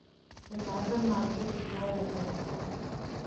د تازه مالټو هیواد افغانستان.